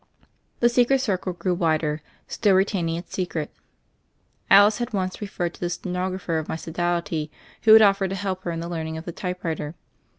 The secret circle grew wider, still retaining its cecret. Alice had once referred to the stenog rapher of my Sodality who had offered to help her in the learning of the typewriter.